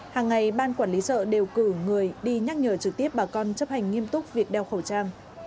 hàng ngày ban quản lý chợ đều cử người đi nhắc nhở trực tiếp bà con chấp hành nghiêm túc việc đeo khẩu trang